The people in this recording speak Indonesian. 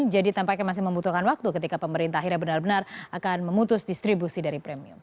jadi tampaknya masih membutuhkan waktu ketika pemerintah akhirnya benar benar akan memutus distribusi dari premium